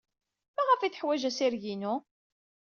Maɣef ay teḥwaj assireg-inu?